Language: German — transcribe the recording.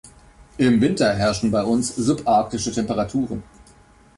Im Winter herrschen bei uns subarktische Temperaturen.